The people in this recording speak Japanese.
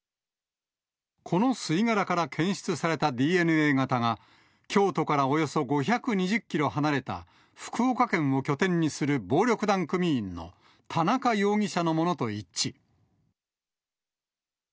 この吸い殻から検出されたＤＮＡ型が、京都からおよそ５２０キロ離れた、福岡県を拠点にする暴力団組員の田中容疑者のものと一致。